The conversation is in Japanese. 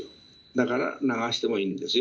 だから流してもいいんですよ。